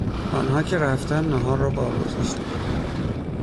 آنها که رفتند ناهار را بار گذاشتم